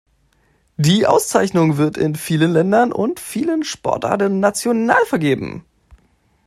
Die Auszeichnung wird in vielen Ländern und vielen Sportarten national vergeben.